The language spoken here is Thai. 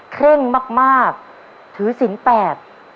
เคร่งมากถือสินแปด